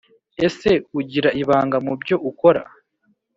ese ugira ibanga mubyo ukora